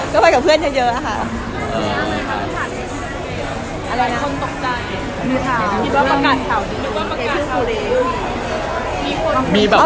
คุณพบกับเพื่อนเยอะค่ะ